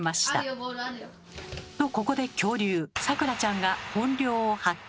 とここで恐竜さくらちゃんが本領を発揮。